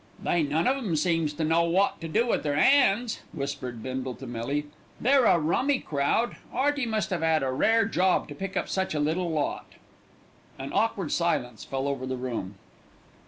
"They none of 'em seems to know wot to do wi' their 'ands," whispered Bindle to Millie. "They're a rummy crowd. 'Earty must 'ave 'ad a rare job to pick up such a little lot." An awkward silence fell over the room.